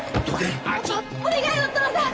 お願いお父さん！